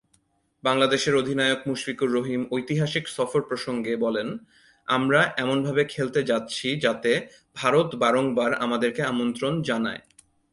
বাংলাদেশের অধিনায়ক মুশফিকুর রহিম ঐতিহাসিক সফর প্রসঙ্গে বলেন, ‘আমরা এমনভাবে খেলতে যাচ্ছি যাতে ভারত বারংবার আমাদেরকে আমন্ত্রণ জানায়।